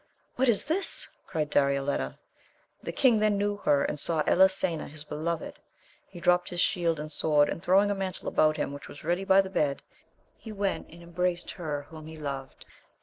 What is this? cried Darioleta. The king then knew her, and saw Elisena his beloved ; he dropt his shield and sword, and throwing a mantle about him which was ready by the bed, he went and embraced her whom he loved.